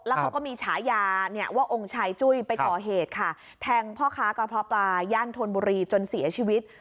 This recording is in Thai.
เขาก็มีฉายาเนี่ยว่าองค์ชายจุ้ยไปก่อเหตุค่ะแทงพ่อค้ากระเพาะปลาย่านธนบุรีจนเสียชีวิต